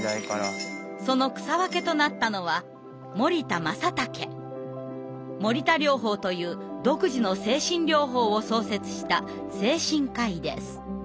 その草分けとなったのは森田療法という独自の精神療法を創設した精神科医です。